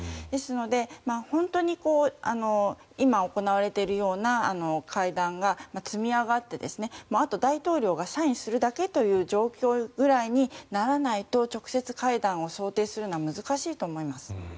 ですので本当に今、行われているような会談が積み上がって、あと大統領がサインするだけという状況ぐらいにならないと直接会談を想定するのは難しいと思います。